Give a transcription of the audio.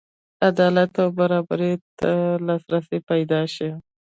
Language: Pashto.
عدالت او برابرۍ ته لاسرسی پیدا شي.